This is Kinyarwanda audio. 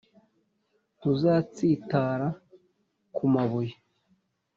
ntuzatsitara ku mabuye.